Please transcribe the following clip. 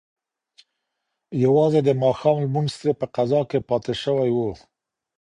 یوازې د ماښام لمونځ ترې په قضا کې پاتې شوی و.